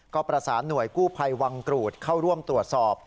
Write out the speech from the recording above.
ก็ประสานหน่วยกู้ภัยวังกรูดเข้าร่วมตรวจสอบ